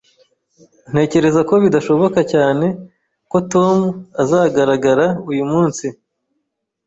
Ntekereza ko bidashoboka cyane ko Tom azagaragara uyu munsi